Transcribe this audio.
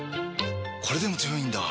これでも強いんだ！